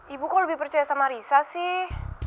ibu kok lebih percaya sama risa sih